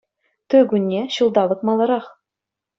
Туй кунне — ҫулталӑк маларах